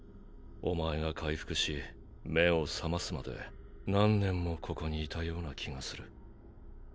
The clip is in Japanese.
お前が回復し目を覚ますまで何年もここにいたような気がする。